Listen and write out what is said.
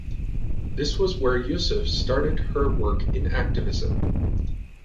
This was where Yusuf started her work in activism.